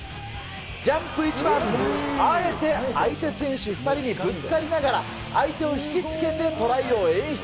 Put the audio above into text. ジャンプ一番、あえて相手選手２人にぶつかりながら、相手を引き付けてトライを演出。